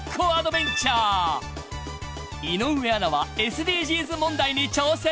［井上アナはＳＤＧｓ問題に挑戦］